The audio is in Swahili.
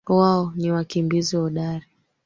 Wao ni wakimbizi hodari